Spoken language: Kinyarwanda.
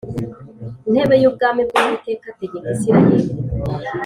Ntebe y ubwami bw uwiteka ategeka isirayeli